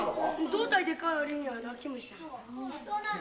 「胴体でかいわりには泣き虫なの」